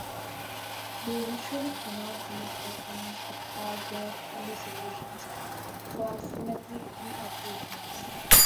They usually cannot beat the performance of hardware-only solutions for symmetric key operations.